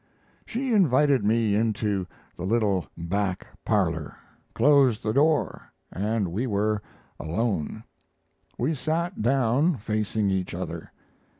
She invited me into the little back parlor, closed the door; and we were alone. We sat down facing each other.